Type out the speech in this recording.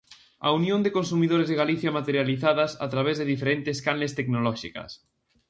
A Unión de Consumidores de Galicia materializadas a través de diferentes canles tecnolóxicas.